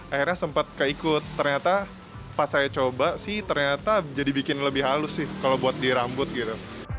akhirnya sempat keikut ternyata pas saya coba sih ternyata jadi bikin lebih halus sih kalau buat di rambut gitu